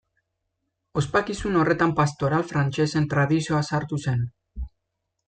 Ospakizun horretan pastoral frantsesen tradizioa sartu zen.